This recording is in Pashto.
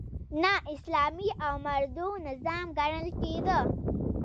نا اسلامي او مردود نظام ګڼل کېده.